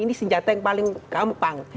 ini senjata yang paling gampang